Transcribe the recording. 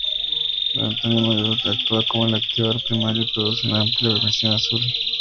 El antimonio-V actúa como el activador primario y produce una amplia emisión azul.